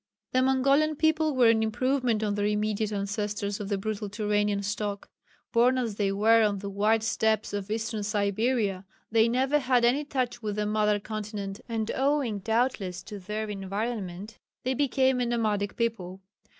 The Mongolian people were an improvement on their immediate ancestors of the brutal Turanian stock. Born as they were on the wide steppes of Eastern Siberia, they never had any touch with the mother continent, and owing, doubtless, to their environment, they became a nomadic people.